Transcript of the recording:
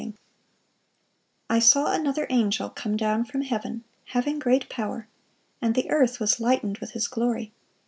] "I saw another angel come down from heaven, having great power; and the earth was lightened with his glory.